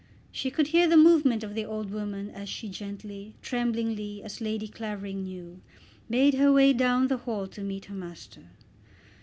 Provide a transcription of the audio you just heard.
She could hear the movement of the old woman as she gently, tremblingly, as Lady Clavering knew, made her way down the hall to meet her master.